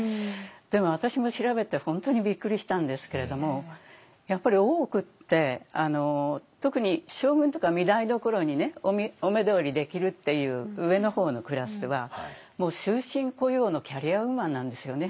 でも私も調べて本当にびっくりしたんですけれどもやっぱり大奥って特に将軍とか御台所にお目通りできるっていう上の方のクラスはもう終身雇用のキャリアウーマンなんですよね。